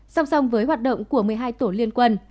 song song với hoạt động của một mươi hai tổ liên quân